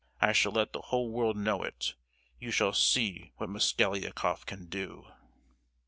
I shall let the whole world know it! You shall see what Mosgliakoff can do!"